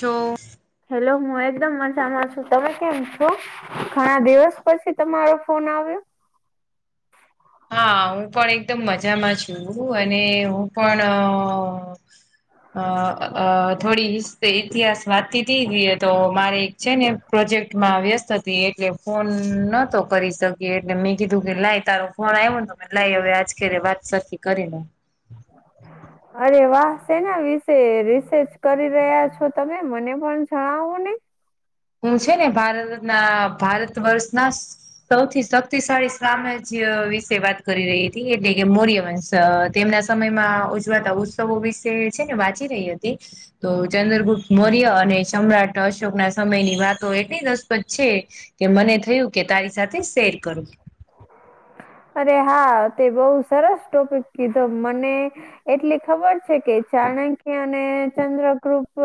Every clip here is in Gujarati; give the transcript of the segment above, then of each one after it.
જો. હેલો, હું એકદમ મજામાં છું. તમે કેમ છો? ઘણા દિવસ પછી તમારો ફોન આવ્યો. હા, હું પણ એકદમ મજામાં છું. અને હું પણ. અ, અ, થોડી ઇતિહાસ વાચતી તી, તો મારે એક છે ને. પ્રોજેક્ટમાં વ્યસ્ત હતી, એટલે ફોન નતો કરી શકે. એટલે મેં કીધું કે, લાય તારો. કો, આવુંને લઈ, હવે આજ કરી વાત સરી કરીને. હમ. અરે વાહ! સેના વિશે રિસર્ચ કરી રહ્યા છો? તમે મને પણ જણાવો, નહીં. હું છે ને, ભારતના ભારત વર્ષના. સૌથી શક્તિશાળી સામ્રાજ્ય વિશે વાત કરી રહી હતી, એટલે કે મૌર્યવંશ. અ તેમના સમયમાં ઉજવાતા ઉત્સવો વિશે છે ને, વાંચી રહી હતી. તો ચંદ્રગુપ્ત મૌર્ય અને સમ્રાટ અશોક ના સમયની વાતો, એટલી દસ. છે કે મને થયું કે તારી સાથે શેર કરુ. અરે હા તે બહું સરસ ટોપિક કીધું મને. એટલે ખબર છે કે ચાણક્ય અને ચંદ્ર કૃપ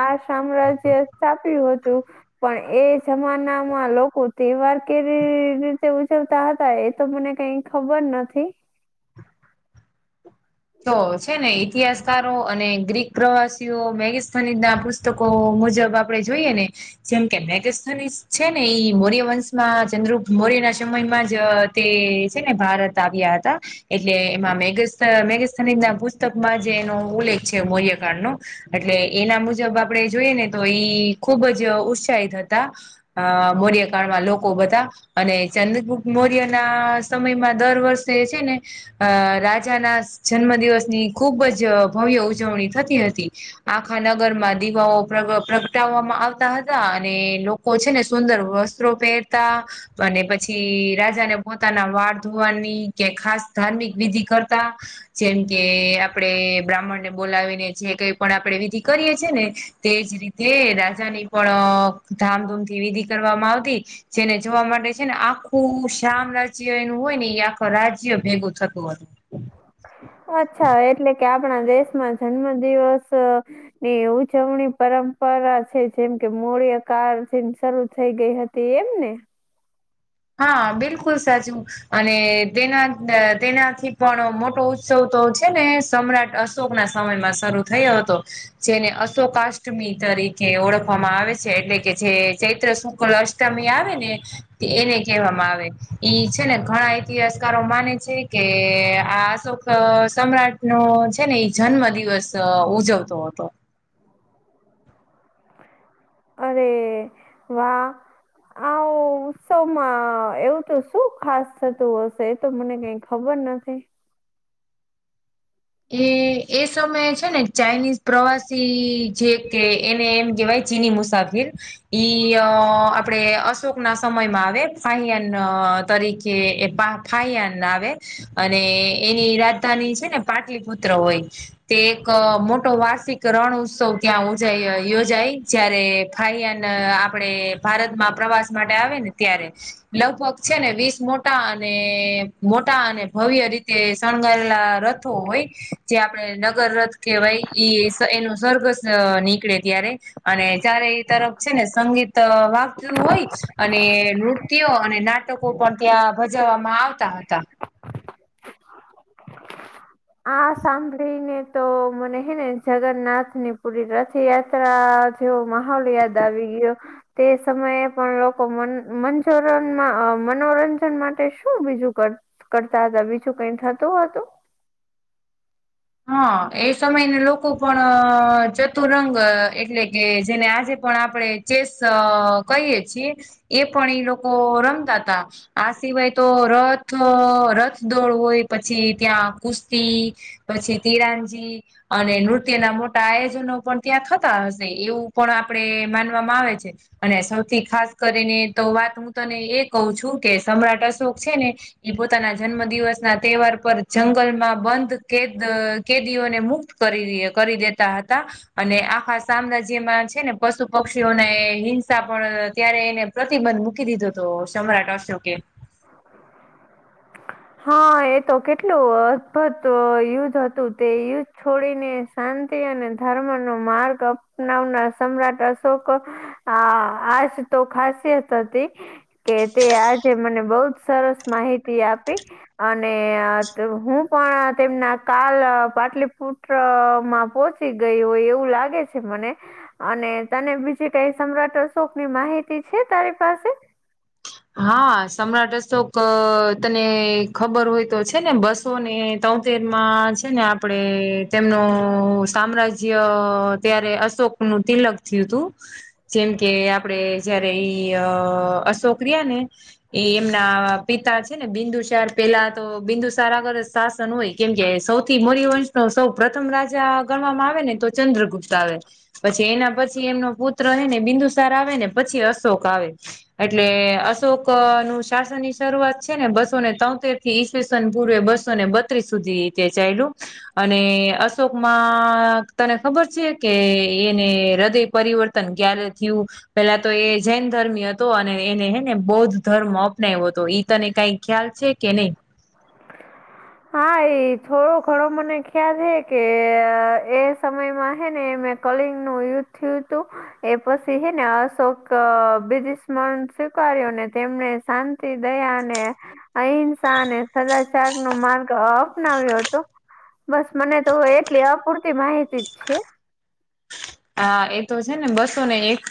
આ સામ્રાજ્ય થાપ્યું હતું. પણ એ જમાનામાં લોકો તહેવાર કે તે ઉજવતા હતા, એ તો મને કઈ ખબર નથી. તો, છે ને, ઇતિહાસકારો અને ગ્રીક પ્રવાસીઓ, મેગની ના પત. પુસ્તકો મુજબ આપણે જોઈએ ને, જેમ કે રાજસ્થની છે ને, ઈ મૌર્યવંશ. ચંદ્રગુપ્તમૌર્ય ના સમયમાં જ તે છે ને, ભારત આવ્યા હતા. એટલે એમાં મેગ મેગસ્ની ના પુસ્તકમાં જે એનો ઉલ્લેખ છે, મૌર્યકાંડ ન. એટલે એના મુજબ આપડે જોઈએ ને તો ઈ. ખુબજ ઉત્સાહિત હતા અ મોર્યકાળમાં લોકો બધા. અને ચંદ્રગુપ્ત મૌર્ય ના સમયમાં દર વર્ષે છે ને અ રાજાના. જન્મ દિવસની ખુબ જ ભવ્ય ઉજવણી થતી હતી આખા નગરમાં દીવાઓ પ્રગટાવવામાં આવતા હતા અને લોકો છે ને સુંદર વ પહેરતા અને પછી રાજાને પોતાના વાળ ધોવાની કે ખાસ ધાર્મિક વિધિ કરતા જેમ કે આપડે બ્રાહ્મણને બોલાવીને જે કઈ પણ આપણે વિધિ કરીએ છીએ ને. તેજ રીતે રાજાની પણ ધામધૂમ થી વિધિ કરવામાં આવતી. જેને જોવા માટે છે ને આ આખું શાયમ રાજ્ય એનું હોય ને એ આખો રાજ્ય ભેગું થતું હતું. અચ્છા એટલે કે આપણા દેશમાં જન્મ દિવસ ને ઉજવણી પરંપરા છે જેમ કે મૂળ્યકા થી શરૂ થઈ ગઈ હતી. તે એમ ને. હા બિલકુલ સાચું અને તેના તેનાથી પણ મોટો ઉત્સવ તો છે ને સમ્રાટ અશોક ના સમયમાં શરૂ થયો હતો. જેને અશોકાષ્ટમી તરીકે ઓળખવામાં આવે છે એટલે કે જે ચૈત્ર શુકલ અષ્ટ મી આવે ને એને કહેવામાં આવે એ છે ને ઘણા ઇતિહાસકારો માને છે કે આશોક સમ્રાટ નો છે ને એ જન્મ દિવસ ઉજવતો હતો. અરે વાહ. આવ ઉત્સવં એવું તો શું ખાસ થતું હશે તો મને કક ખબર નથી. એ એ સમયે છે ને ચાઇનીઝ પ્રવાસી જે કે એને એમ કેહેવાય ચીની મુસાફિર. ઈ આપડે અશોક ના સમયમાં આવે ફહિયાન તરીકે એ થાયાન આવે અને એની રાજધાની છે ને પાટલીપુત્ર હોય. તે એક મોટો વાર્ષિક રણ ઉત્સવ ત્યાં ઉજાય યોજાય જય્યારે ફાઈયાન આપડે ભારતમાં પ્રવાસ માટે આવે ને ત્યારે લગભગ છે ને વીસ મોટા અને મોટા અને ભવ્ય રીતે શણગારેલા રથો હોય. જે આપણે નગર રથ કહેવાય એ એનું સ્વર્ગ નીકળે ત્યારે અને જયારે એ તરફ છે ને સંગીત વાક્યું હોય. અને નૃતયો અને નાટકો પણ ત્યાં ભજાવવામાં આવતા હતા. આ સાંભળીને તો મને હે ને જગન્નાથની પૂરી રથયાત્રા જેવો માહોલ યાદ આવી ગયો. તે સમયે પણ લોકો મ મંજરનમાં મનોરંજન માટે શું બીજું કર કરતા હતા બીજું કઈ થતું હતું? હા એ સમયને લોકો પણ ચતુરંગ એટલે કે જેને આજે પણ આપણેે ચેસ કહીએ છીએ એ પણ એ લોકો રમતા તા. આ સિવાય તો રથ રથ દોડ હોય પછી ત્યાં કુસ્તી પછી તિરાનજી અને નૃત્યના મોટા આયોજનો પણ ત્યાં થતા હશે એવું પણ આપડે માનવામાં આવે છે. અને સૌથી ખાસ કરીને તો વાત હું તને એ કહું છું કે સમ્રાટ અશોક છે ને એ પોતાના જન્મ દિવસ ના તહેવાર પર જંગલમાં બંધ કેદ કેદીઓને મુક્ત કરી કરી દેતા હતા અને આખા સામના જેમાં છે ને પશુ પક્ષીઓને હિંસા પણ ત્યારે એને પ્રતિબંધ મૂકી દીધો તો [unintelligible] હા, એતો કેટલું અદભુત યુદ્ધ હતું, તે યુદ્ધ છોડીને શાંતિ અને ધર્મનો માર્ગ અપનાવનાર, સમ્રાટ અશોકો આ, આજ તો ખાસિયત હતી કે તે આજે મને બોવ જ સરસ માહિતી આપી અને હું પણ તેમના કાલ પાટલીપુત્રમાં પોહચ ચી ગઈ હોય એવું લાગે છે મને અને તને બીજે કઈ સમ્રાટ અશોક ની માહિતી છે, તારી પાસે? હા, સમ્રાટ અશોક અહ તને ખબર હોય તો છે ને બસ સો ને તમતેર માં છે ને આપડે તેમનો સામ્રાજ્ય ત્યારે અશોક નું તિલક થયું તું જેમ કે આપડે જયારે ઈ અહ અશોક રિયાને એ એમના પિતા છે ને બિંદુચાર પેલા તો બિંદુ સાર આગળ શાસન હોય, કેમકે સૌથી મોરી વંશના સૌ પ્રથમ રાજા ગણવામાં આવે ને તો ચંદ્રગુપ્ત આવે, પછી એના પછી એમનો પુત્ર હેને બિંદુસાર આવે ને પછી અશોક આવે એટલે અશોક નું શાસન ની શરૂઆત છે ને બસોને તોતેર થી ઇસ વિસાન પૂર્વે બસોને બત્રીસ સુધી તે ચાલ્યું અને અશોકમાં માક તને ખબર છે કે એને હૃદય પરિવર્તન તન ક્યારે થયું, પેલા તો એ જૈન ધર્મી હતો અને એને હે ને બૌદ્ધ ધર્મ અપનાવ્યો હતો, ઈ તને કઈ ખ્યાલ છે કે નઈ? હા, એ થોડો ઘણો મને ખ્યાલ હે કે એ સમયમાં હે ને એ કલિંગ નું યુદ્ધ થીયુંતું એ પછી હેને અશોક બીજ સ્મરણ સ્વીકાર્યો ને તેમને શાંત શાંતિ, દયા અને અહિંસા અને સદાચારનું માર્ગ અપનાવ્યો હતો. બસ મને તો એટલી અપૂરતી માહિતી જ છે. હા, એતો છે ને બસો ને એક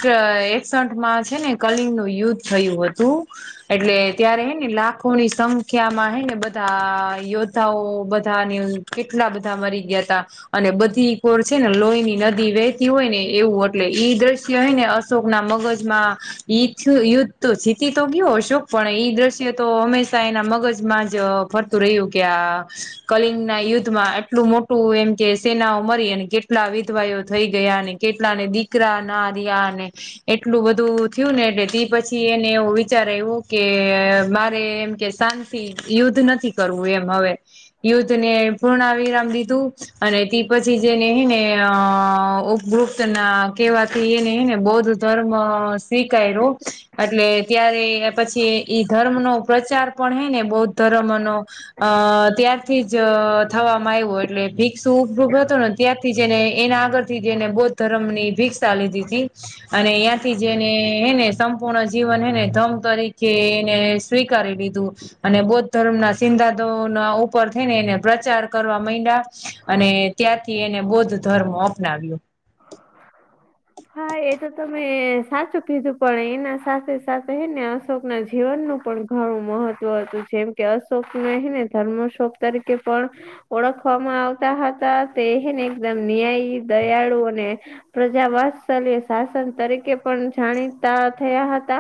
એકસઠ માં છે ને કલિંગનું યુદ્ધ થયું હતું. એટલે ત્યારે હેને લાખોની સંખ્યા માં હેને બધા યોદ્ધાઓ બધાની કેટલા બધા મરી ગયાતા અને બધી કોર છે ને લોહીની નદી વે વેહતી હોય ને એવું એટલે ઈ દ્રશ્ય હેને અશોકના મગજમાં એથીયે યુદ્ધ તો જીતી તો ગયો અશોક, પણ એ દ્રશ્ય તો હંમેશા એના મગજમાં જ ફરતું રહ્યું કે આ કલિંગના યુદ્ધમાં આટલું મોટું એમ કે સેનાઓ મરી અને કેટલા વિધવાયોઓ થઈ ગ ગયાને કેટલાને દીકરા ના રહ્યા ને એટલું બધું થયું ને એટલે પછી એને એવું વિચારે આઇવો કે મારે એમ કે શાંતિ, યુદ્ધ નથી કરવું એમ હવે યુદ્ધ ને પૂર્ણ વિરામ દીધું અને તે પછી જેને હેં ને અહ ઉપગુપ્તના કેવાથી એને હેને બૌદ્ધ ધર્મ સ્વીકાર્યો એટલે ત્યારે પછી ઈ ધર્મનો પ્રચાર પણ હૈ ને બૌદ્ધ ધર્મનો અહ ત્યારથી જ થવામાં આવ્યો એટલે ભિક્ષુ ઉપરૂ હતું ને ત્યારથી જ એને એના આગળ જેને બૌદ્ધ ધર્મની ભિક્ષા લીધી તી અને આયાંથી જને હેને સંપૂર્ણ જીવન હને ધમ તરીકે એને સ્વીકારી લીધું. અને બૌદ્ધ ધર્મના સિધાદના ઉપર થઈને એને પ્રચાર કરવા માંડ્યા અને ત્યારથી એને બૌદ્ધ ધર્મો અપનાવ્યો. હા. એ તો તમે સાચું કીધું પણ એના સાથે સાથે હે ને અશોક ના જીવન નું પણ ઘણું મહત્વ હતું જેમકે અશોક ન ને ધર્મશોક તરીકે પણ ઓળખવામાં આવતા હતા તે હેને એકદમ ન્યાયી, દયાળુ અને પ્રજાવાત્સલ્ય શાસન તરીકે પણ જાણીતા થયા હતા.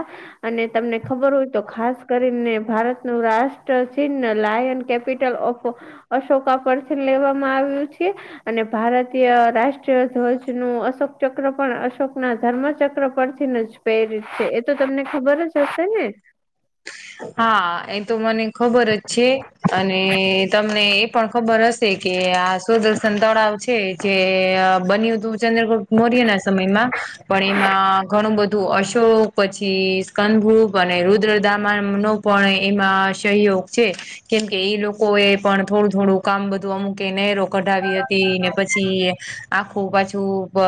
અને તમને ખબર હોય તો ખાસ કરીને ભારતનું રાષ્ટ્ર છિન્ન લાયન કે કેપિટલ ઓફ અશોકા પરથી લેવામાં આવ્યું છે અને ભારતીય રાષ્ટ્રીય ધ્વજ નું અશોક ચક્ર પણ અશોક ના ધર્મ ચક્ર પરથી નજ પેરિત છે, એ તો તમને ખબર જ જસે ને? હા, એ તો મને ખબર જ છે. અને તમને એ પણ ખબર હશે કે આ સુદર્શન તળાવ છે છે જે બન્યું તું ચંદ્રગુપ્ત મૌર્યના સમયમાં, પણ એમાં ઘણું બધું અશોક, પછી સ્કનભુક અને રુદ્રદા નું પણ એમાં સહયોગ છે, કેમ કે એ લોકો એ પણ થોડું થોડું કામ બધું અમુકે નેહરો કઢાવી હતી ને પછી આખું પાછું બ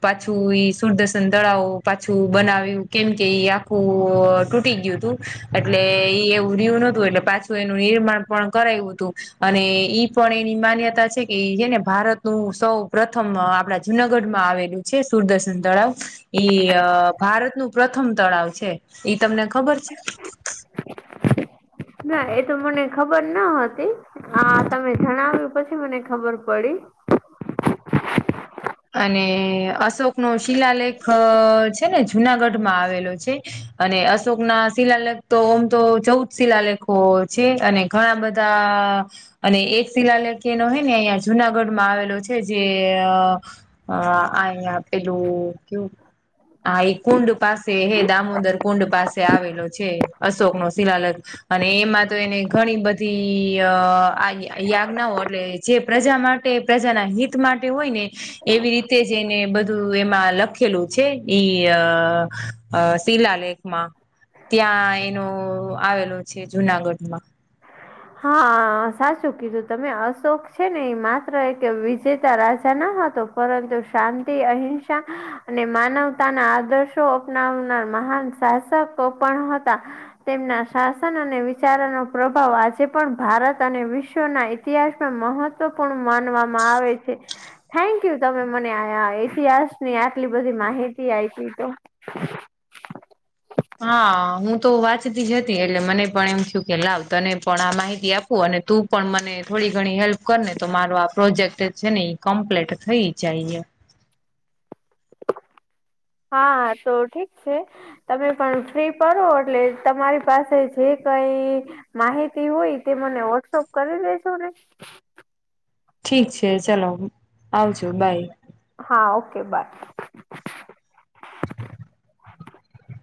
પાછું ઈ સુરદર્સન તળાવ પાછું બનાવ્યું કેમ કે ઈ આ ખુ તૂટી ગ્યું તું. એટલે એ એવું રહ્યુ નતું એટલે પાછું એનું નિર્માણ પણ કરાઈવુ તું અને ઈ પણ એની માન્યતા છે કે ઈ છે ને ભારતનું સૌ પ્રથમ આપડા જુનાગઢ માં આવેલું છે સુરદર્શન તળાવ ઈ અ ભારતનું પ્રથમ તળાવ છે. ઈ તમને ખબર છે? ના એ તો મને ખબર ના હતી. આ તમે જણાવ્યું પછી મને ખબર પડી. અને અશોક નો શિલાલેખ અ છે ને જુનાગઢ માં આવેલો છે. અને અશોક ના શિલાલગ તો ઓમ તો ચૌદ શિલાલેખો છે અને ઘણા બધા અને એક શિલાલેખી એનો હે ને અહિયા જુનાગઢમાં આવેલો છે જે અ અ આ અઈયા પેલું ક્યું આ એ કુંડ પાસે હે, દામોદર કુંડ પાસે આવેલો છે અશોક નો શિલાલખ અને એમાં તો એને ઘણી બધી આગ યાજ્ઞાઓ એટલે જે પ્રજા માટે, પ્રજાના હિત માટે હોય ને એવી રીતે જ એને બધું એમાં લખેલું છે ઈ અ શિલાલેખ માં ત્યાં એનો આવેલો છે જુનાગઢ માં. હા, સાચું કીધું તમે. અશોક છે ને એ માત્ર એક વિજેતા રાજા ન હતો પરંતુ શાંતિ, અહિંસા અને માનવતાના આદર્શો અપનાવનાર માહાન શાસકો પણ હતા. તેમના શાસન અને વિચારોનો પ્રભાવ આ જે પણ ભારત અને વિશ્વના ઇતિહાસમાં મહત્વપૂર્ણ માનવામાં આવે છે. થેન્ક યુ, તમે મને આય આ ઇતિહાસ ની આટલી બધી માહિતી આઈપી તો. હા, હું તો વાંચતી જ હતી એટલે મને પણ એમ થયું કે લાવ તને પણ આ માહિતી આપું અને તું પણ મને થોડી ઘણી હેલ્પ કર ને તો મારો આ પ્રોજેક્ટ છે ને ઈ કમ્પ્લીટ થઈ જાય એમ. હા, તો ઠીક સે. તમે પણ ફ્રી પરો એટલે તમારી પાસે જે કઈ માહિતી હોય, તે મને વોટ્સપ કરી દેેજો ને. ઠીક છે ચલો, આવજો, બાય. હા ઓ કે બાય.